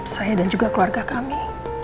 saya dan juga keluarga kami